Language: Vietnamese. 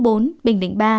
bình định ba